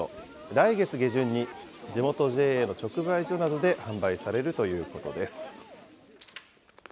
来月下旬に地元ＪＡの直売所などで販売されるということです。